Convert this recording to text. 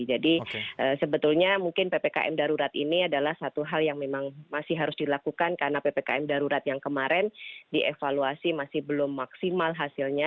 jadi sebetulnya mungkin ptkm darurat ini adalah satu hal yang memang masih harus dilakukan karena ptkm darurat yang kemarin dievaluasi masih belum maksimal hasilnya